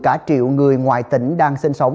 cả triệu người ngoại tỉnh đang sinh sống